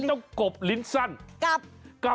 เฮ้นี่ก็เป็นค่าคำน้ำ